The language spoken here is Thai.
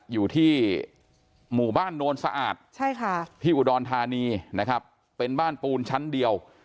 อยู่ที่หมู่บ้านโนนสะอาดที่อุดรธานีนะครับเป็นบ้านปูนชั้นเดียว